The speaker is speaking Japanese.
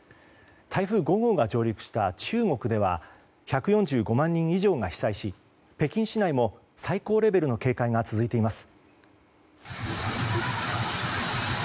台風５号が上陸した中国では１４５万人以上が被災し北京市内も最高レベルの警戒が続いています。